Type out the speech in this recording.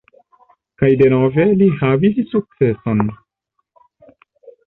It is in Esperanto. Kaj denove li havis sukceson.